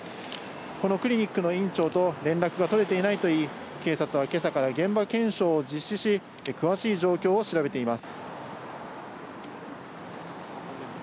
このクリニックの院長と連絡が取れていないといい、警察は今朝から現場検証を実施し、詳しい状況を調べています。